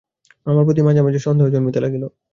মামার প্রতি মাঝে মাঝে সন্দেহ জন্মিতে লাগিল।